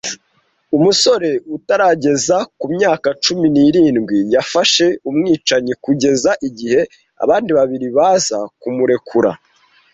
Umusore utarageza ku myaka cumi n'irindwi yafashe umwicanyi kugeza igihe abandi babiri baza kumurekura,